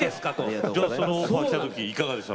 そのオファーが来た時いかがでした？